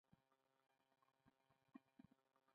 ډرامه د ژوند رازونه افشا کوي